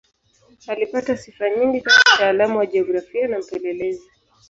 Alipata sifa nyingi kama mtaalamu wa jiografia na mpelelezi.